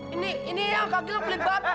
ini ini ya kak gilang pelit banget